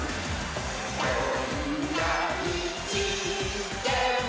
「どんなみちでも」